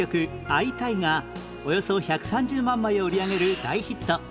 『会いたい』がおよそ１３０万枚を売り上げる大ヒット